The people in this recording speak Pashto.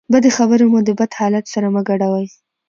بدې خبرې مو د بد حالت سره مه ګډوئ.